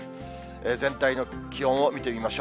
全体の気温を見てみましょう。